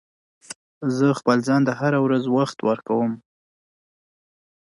زه خپل ځان ته هره ورځ وخت ورکوم.